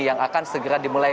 yang akan segera dimulai